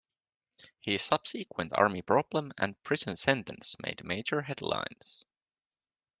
His subsequent Army problem and prison sentence made major headlines.